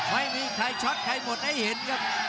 ไม่มีใครช็อกใครหมดให้เห็นครับ